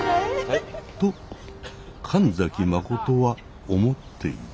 と神崎真は思っていた。